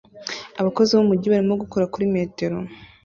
Abakozi bo mu mujyi barimo gukora kuri metero